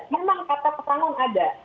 memang kata pesangon ada